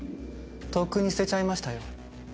とっくに捨てちゃいましたよ。